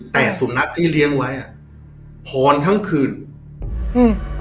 แต่สุนัขที่เลี้ยงไว้อ่ะพรทั้งคืนอืม